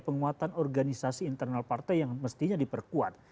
penguatan organisasi internal partai yang mestinya diperkuat